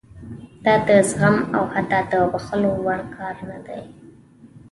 دا د زغم او حتی د بښلو وړ کار نه دی.